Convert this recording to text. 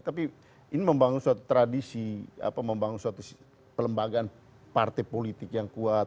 tapi ini membangun suatu tradisi membangun suatu pelembagaan partai politik yang kuat